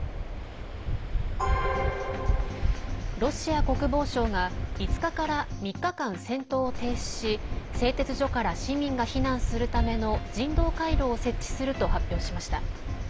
ロシア国防省が５日から３日間戦闘を停止し製鉄所から市民が避難するための人道回廊を設置すると発表しました。